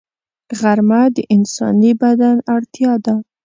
غرمه د انساني بدن اړتیا ده